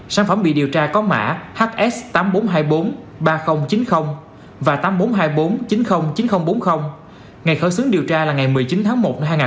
sản phẩm bị điều tra có mã hs tám bốn hai bốn ba không chín không và tám bốn hai bốn chín không chín không bốn không ngày khởi xướng điều tra là ngày một mươi chín tháng một